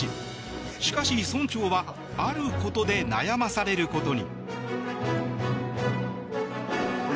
しかし、村長はあることで悩まされることに。